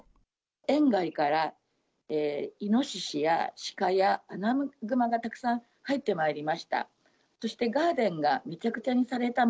園外からイノシシやシカやアナグマがたくさん入ってまいりました。